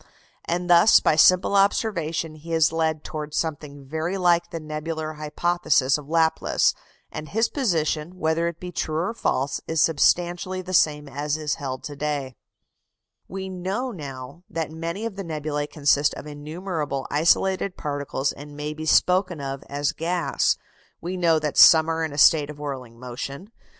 And thus, by simple observation, he is led towards something very like the nebular hypothesis of Laplace; and his position, whether it be true or false, is substantially the same as is held to day. [Illustration: FIG. 89. The great nebula in Orion.] We know now that many of the nebulæ consist of innumerable isolated particles and may be spoken of as gas. We know that some are in a state of whirling motion.